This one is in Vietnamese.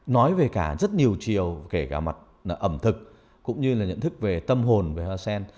nói về cả rất nhiều chiều kể cả mặt ẩm thực cũng như là nhận thức về tâm hồn về hoa sen